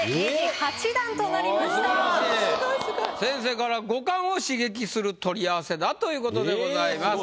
先生からは「五感を刺激する取り合わせ」だということでございます。